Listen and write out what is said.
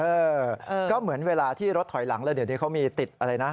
เออก็เหมือนเวลาที่รถถอยหลังแล้วเดี๋ยวนี้เขามีติดอะไรนะ